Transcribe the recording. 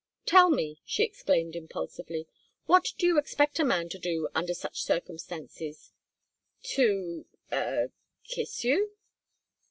"Tell me," she exclaimed, impulsively. "What do you expect a man to do under such circumstances to a kiss you?"